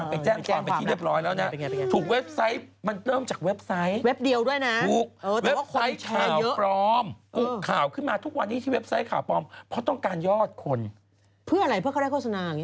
เพื่ออะไรเพื่อเขาได้โฆษณาอย่างนี้หรอ